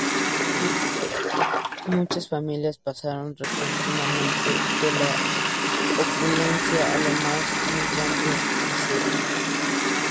Muchas familias pasaron repentinamente de la opulencia a la más humillante miseria.